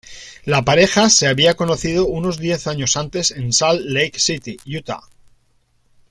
La pareja se había conocido unos diez años antes en Salt Lake City, Utah.